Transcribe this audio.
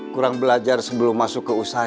kurang belajar sebelum masuk ke usaha